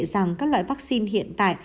rằng các loại vaccine hiện tại